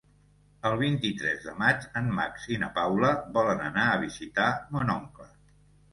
El vint-i-tres de maig en Max i na Paula volen anar a visitar mon oncle.